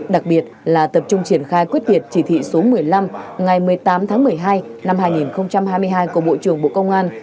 đặc biệt là tập trung triển khai quyết liệt chỉ thị số một mươi năm ngày một mươi tám tháng một mươi hai năm hai nghìn hai mươi hai của bộ trưởng bộ công an